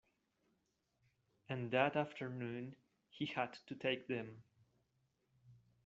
And that afternoon he had to take them.